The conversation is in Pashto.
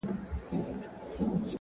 اوسېدله دوه ماران يوه ځنگله كي؛